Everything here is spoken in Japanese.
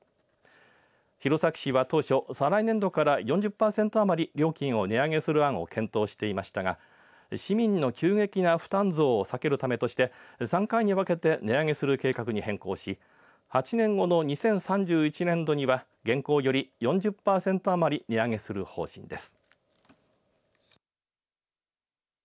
弘前市は当初、再来年度から４０パーセント余り料金を値上げする案を検討していましたが市民の急激な負担増を避けるためとして３回に分けて値上げする計画に変更し８年後の２０３１年度には現行より４０パーセント余り値上げする方針です。